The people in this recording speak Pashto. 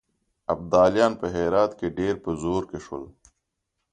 ابدالیان په هرات کې ډېر په زور کې شول.